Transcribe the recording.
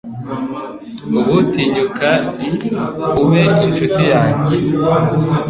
Ubu tinyukai ube inshuti yanjye.